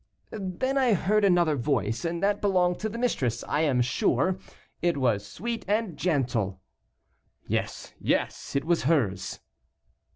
"Then I heard another voice, and that belonged to the mistress, I am sure; it was sweet and gentle." "Yes, yes, it was hers."